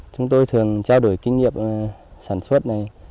chúng tôi thường trao đổi kinh nghiệm sản xuất này